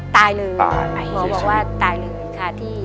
ตายเลยหมอบอกว่าตายเลยค่ะที่